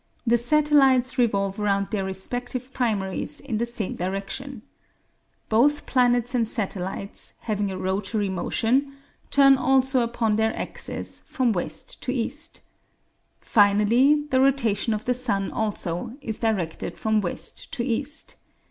The satellites revolve around their respective primaries in the same direction. Both planets and satellites, having a rotary motion, turn also upon their axes from west to east. Finally, the rotation of the sun also is directed from west to east.